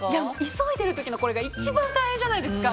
急いでる時のこれが一番大変じゃないですか。